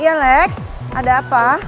iya lex ada apa